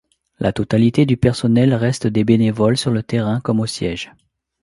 La totalité du personnel reste des bénévoles sur le terrain comme au siège.